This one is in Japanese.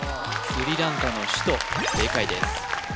スリランカの首都正解です